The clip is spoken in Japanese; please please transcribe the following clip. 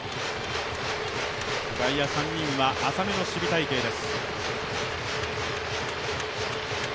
外野３人は浅めの守備隊形です。